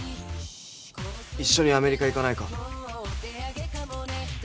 一緒にアメリカ行かないか？